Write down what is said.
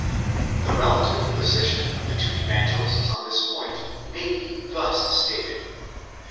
The relative position of the two evangelists on this point may be thus stated.